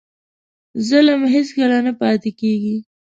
ظلم هېڅکله نه پاتې کېږي.